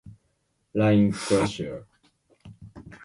The spacecraft would possibly be scaled down from its original size as well.